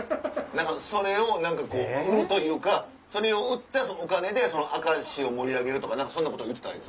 それを売るというかそれを売ったお金で明石を盛り上げるとかそんなこと言うてたあ